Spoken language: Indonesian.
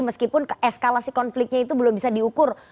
meskipun eskalasi konfliknya itu belum bisa diukur